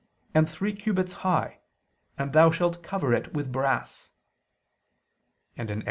. and three cubits high ... and thou shalt cover it with brass": and (Ex.